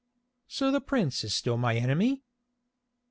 "So the prince is still my enemy?"